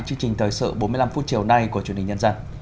chương trình thời sự bốn mươi năm phút chiều nay của truyền hình nhân dân